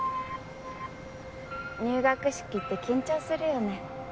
入学式って緊張するよね